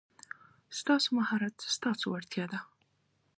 ستاسو مهارت ستاسو وړتیا ده.